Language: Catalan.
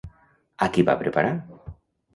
A qui va preparar?